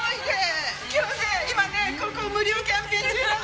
ここ無料キャンペーン中なの。